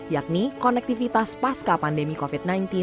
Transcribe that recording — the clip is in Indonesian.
yakni konektivitas pasca pandemi covid sembilan belas